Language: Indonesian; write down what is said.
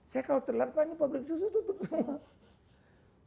saya kalau terlihat wah ini pabrik susu tutup semua